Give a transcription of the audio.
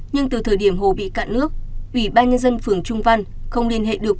nhưng từ thời điểm hồ bị cạn nước ủy ban nhân dân phường trung văn không liên hệ được